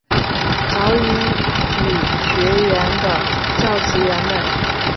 早乙女学园的教职员们。